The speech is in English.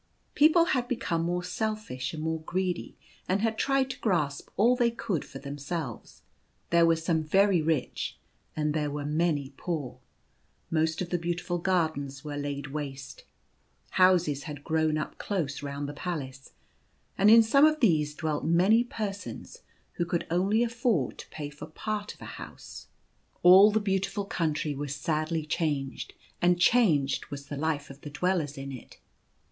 People had be come more selfish and more greedy, and had tried to grasp all they could for themselves. There were some very rich and there were many poor. Most of the beau tiful gardens were laid waste. Houses had grown up close round the palace ; and in some of these dwelt many persons who could only afford to pay for part of a house. 4.6 Change in the Land. All the beautiful Country was sadly changed, and changed was the life of the dwellers in it.